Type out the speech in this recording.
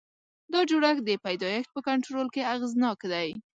دا جوړښت د پیدایښت په کنټرول کې اغېزناک دی.